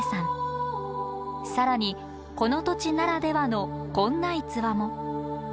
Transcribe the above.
更にこの土地ならではのこんな逸話も。